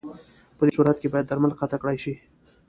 پدې صورت کې باید درمل قطع کړای شي.